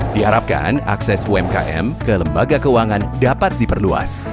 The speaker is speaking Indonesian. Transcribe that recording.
diharapkan akses umkm ke lembaga keuangan dapat diperluas